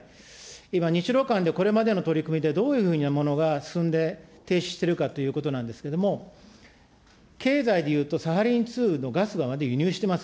今、日ロ間でこれまでの取り組みでどういうふうなものが進んで、停止しているかということなんですけれども、経済でいうとサハリン２のガスはまだ輸入してます。